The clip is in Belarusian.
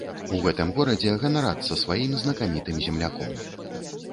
У гэтым горадзе ганарацца сваім знакамітым земляком.